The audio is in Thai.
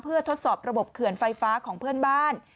เพื่อทดสอบระบบเขื่อนไฟฟ้าของเพื่อนบ้าน